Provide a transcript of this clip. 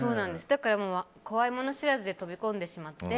だから怖いもの知らずで飛び込んでしまって。